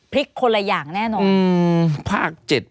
พลิกคนละอย่างแน่นอน